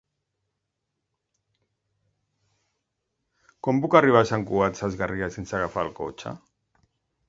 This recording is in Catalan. Com puc arribar a Sant Cugat Sesgarrigues sense agafar el cotxe?